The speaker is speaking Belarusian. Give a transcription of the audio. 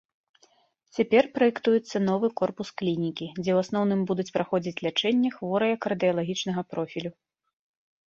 Цяпер праектуецца новы корпус клінікі, дзе ў асноўным будуць праходзіць лячэнне хворыя кардыялагічнага профілю.